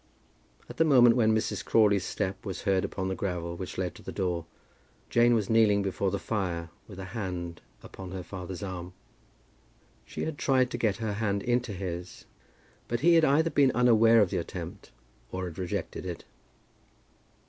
At the moment when Mrs. Crawley's step was heard upon the gravel which led to the door, Jane was kneeling before the fire with a hand upon her father's arm. She had tried to get her hand into his, but he had either been unaware of the attempt, or had rejected it.